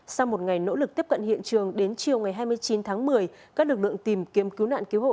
sau một ngày nỗ lực tiếp cận hiện trường đến chiều ngày hai mươi chín tháng một mươi các lực lượng tìm kiếm cứu nạn cứu hộ